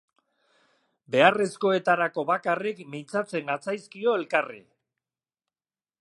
Beharrezkoetarako bakarrik mintzatzen gatzaizkio elkarri.